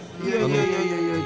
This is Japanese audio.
いやいやいや。